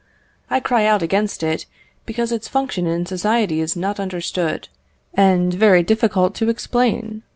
I cry out against it because its function in society is not understood, and very difficult to explain.